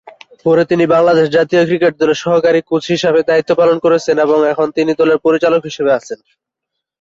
পরে তিনি বাংলাদেশ জাতীয় ক্রিকেট দলের সহকারী কোচ হিসাবে দায়িত্ব পালন করেছেন এবং এখন তিনি দলের পরিচালক হিসেবে আছেন।